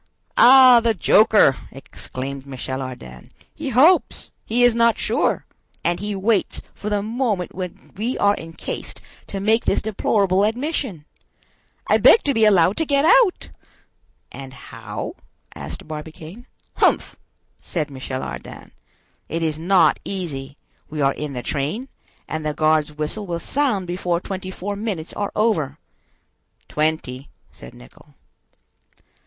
"Ah, the joker!" exclaimed Michel Ardan. "He hopes!—He is not sure!—and he waits for the moment when we are encased to make this deplorable admission! I beg to be allowed to get out!" "And how?" asked Barbicane. "Humph!" said Michel Ardan, "it is not easy; we are in the train, and the guard's whistle will sound before twenty four minutes are over." "Twenty," said Nicholl.